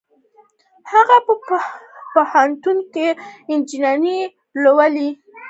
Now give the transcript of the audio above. هغه په پوهنتون کې انجینري لولي او بریالۍ ده